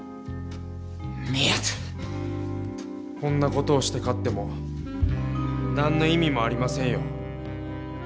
こんな事をして勝っても何の意味もありませんよ。